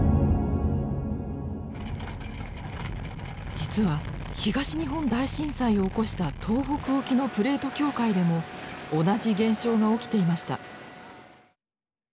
実は東日本大震災を起こした東北沖のプレート境界でも同じ現象が起きていました。